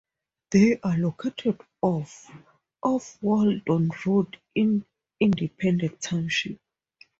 They are located off of Waldon Road in Independence Township.